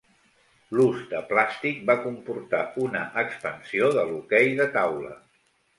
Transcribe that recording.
L'ús de plàstic va comportar una expansió de l'hoquei de taula.